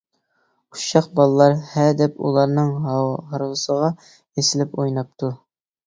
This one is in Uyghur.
ئۇششاق بالىلار ھە دەپ ئۇلارنىڭ ھارۋىسىغا ئېسىلىپ ئويناپتۇ.